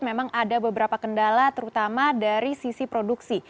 memang ada beberapa kendala terutama dari sisi produksi